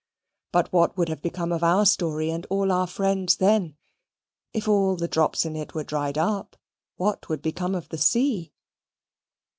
But what would have become of our story and all our friends, then? If all the drops in it were dried up, what would become of the sea?